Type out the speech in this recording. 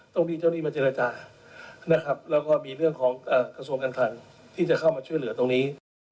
ต้องมีเจ้าหนี้มาเจรจานะครับแล้วก็มีเรื่องของกระทรวงการคลังที่จะเข้ามาช่วยเหลือตรงนี้